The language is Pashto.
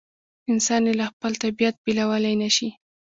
انسان یې له خپل طبیعت بېلولای نه شي.